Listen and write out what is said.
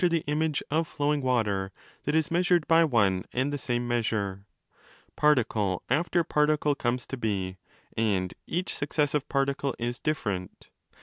5 321° the image of flowing water that is measured by one and 25 the same measure: particle after particle comes to be, and each successive particle is different.